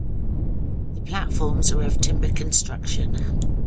The platforms are of timber construction.